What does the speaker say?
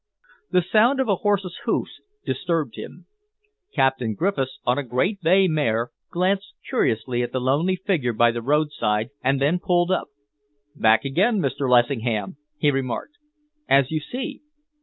The sound of a horse's hoofs disturbed him. Captain Griffiths, on a great bay mare, glanced curiously at the lonely figure by the roadside, and then pulled up. "Back again, Mr. Lessingham?" he remarked. "As you see."